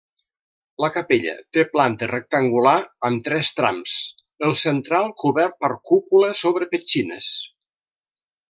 La capella té planta rectangular amb tres trams, el central cobert per cúpula sobre petxines.